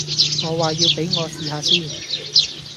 我話要畀我試吓先。